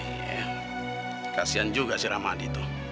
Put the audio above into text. iya kasihan juga si ramadhan itu